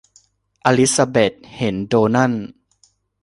อลิสซาเบธเห็นโดนัล